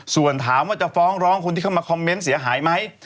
ส่วนถามว่าจะฟ้องร้องคนที่เข้ามาคอมเมนต์เสียหายไหม